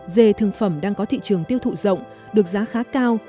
dê thương phẩm đang có thị trường tiêu thụ rộng được giá khá cao